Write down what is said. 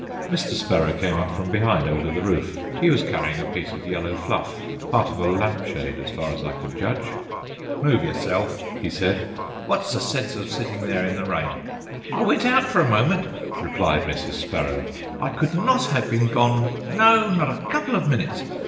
Mr. Sparrow came up from behind, over the roof. He was carrying a piece of yellow fluff, part of a lamp shade, as far as I could judge. "Move yourself," he said, "what's the sense of sitting there in the rain?" "I went out just for a moment," replied Mrs. Sparrow; "I could not have been gone, no, not a couple of minutes.